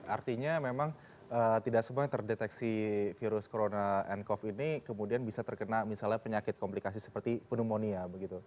artinya memang tidak semua yang terdeteksi virus corona dan covid ini kemudian bisa terkena penyakit komplikasi seperti pneumonia